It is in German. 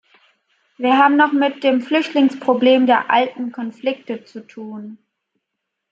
Wir haben noch mit dem Flüchtlingsproblem der alten Konflikte zu tun.